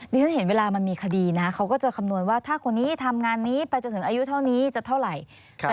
ฉันเห็นเวลามันมีคดีนะเขาก็จะคำนวณว่าถ้าคนนี้ทำงานนี้ไปจนถึงอายุเท่านี้จะเท่าไหร่